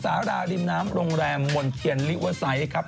สาราริมน้ำโรงแรมมนเทียนลิเวอร์ไซต์ครับ